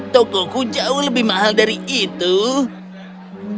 tokoku jauh lebih mahal